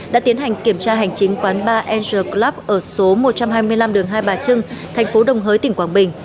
đã tiến hành kiểm tra hành chính quán bar angel club ở số một trăm hai mươi năm đường hai bà trưng thành phố đồng hới tỉnh quảng bình